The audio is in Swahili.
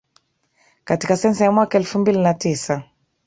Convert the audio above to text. katika sensa ya mwaka elfu mbili na tisa